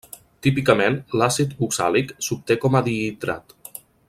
Típicament, l'àcid oxàlic s'obté com a dihidrat.